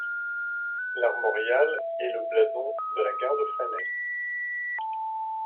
L'armorial et le blason de La Garde-Freinet.